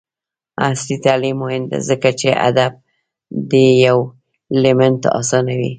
عصري تعلیم مهم دی ځکه چې د اپ ډیولپمنټ اسانوي.